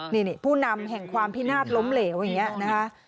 นี่ผู้นำแห่งความพินาศล้มเหลวอย่างนี้นะคะ